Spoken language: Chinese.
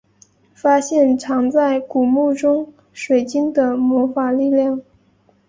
发现藏在古墓中水晶的魔法力量。